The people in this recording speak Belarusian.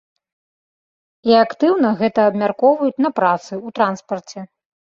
І актыўна гэта абмяркоўваюць на працы, у транспарце.